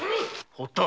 堀田